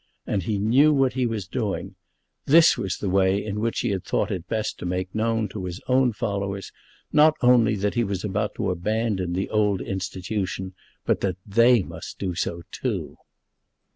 And he knew what he was doing. This was the way in which he had thought it best to make known to his own followers, not only that he was about to abandon the old Institution, but that they must do so too!